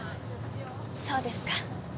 そうですか。